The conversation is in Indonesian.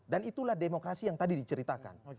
dan itulah demokrasi yang tadi diceritakan